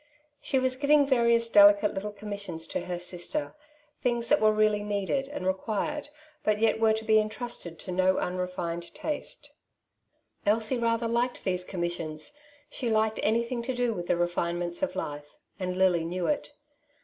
She was giving various delicate little commissions to her sister — things that were really needed and required, but yet were to be entrusted to no unre fined taste. Elsie rather liked these commissions, she liked anything to do with the refinements of life, and Lily knew it.